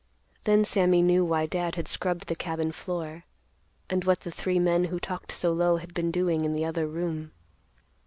Then Sammy knew why Dad had scrubbed the cabin floor, and what the three men who talked so low had been doing in the other room.